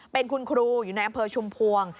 เป็นคุณครูอยู่ในอำเภอชุมพวง